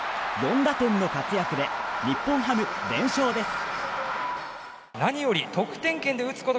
４打点の活躍で日本ハム連勝です。